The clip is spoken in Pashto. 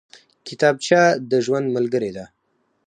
کتابچه د ژوند ملګرې ده